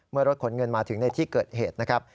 รถขนเงินมาถึงในที่เกิดเหตุนะครับ